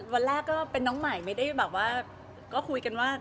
วันแรกก็เป็นน้องใหม่ไม่ได้คุยกันว่า